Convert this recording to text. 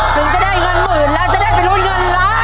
ถึงจะได้เงินหมื่นแล้วจะได้ไปลุ้นเงินล้าน